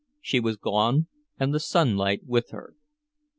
She was gone, and the sunlight with her.